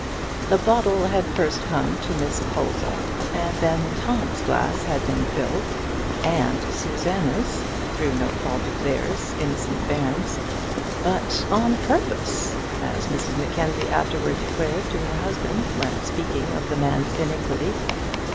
The bottle had first come to Miss Colza, and then Tom's glass had been filled, and Susanna's through no fault of theirs, innocent bairns, "but on purpose!" as Mrs Mackenzie afterwards declared to her husband when speaking of the man's iniquity.